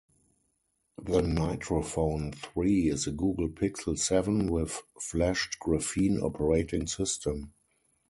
The NitroPhone three is a Google Pixel seven with flashed Graphene Operating System.